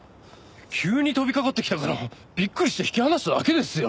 急に飛びかかってきたからびっくりして引き離しただけですよ。